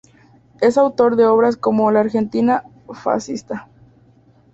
Es autor de obras como "La Argentina Fascista.